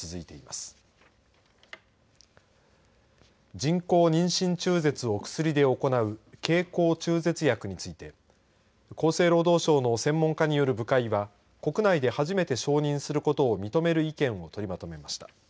人工妊娠中絶を薬で行う経口中絶薬について厚生労働省の専門家による部会は国内で初めて承認することを認める意見を取りまとめました。